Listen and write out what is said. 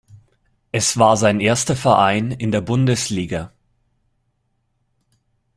Es war sein erster Verein in der Bundesliga.